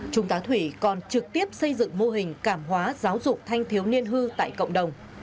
trung tá thủy còn trực tiếp xây dựng mô hình cảm hóa giáo dục thanh thiếu niên hư tại cộng đồng